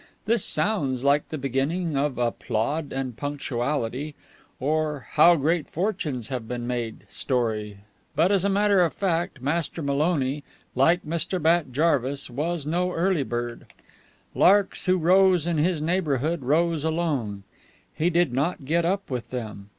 This sounds like the beginning of a "Plod and Punctuality," or "How Great Fortunes have been Made" story, but, as a matter of fact, Master Maloney, like Mr. Bat Jarvis, was no early bird. Larks who rose in his neighborhood, rose alone. He did not get up with them.